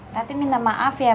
tadi minta maaf ya bang